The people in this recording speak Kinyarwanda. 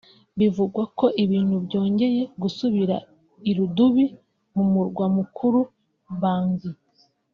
Bivugwa ko ibintu byongeye gusubira i rudubi muMurwa Mukuru Bangui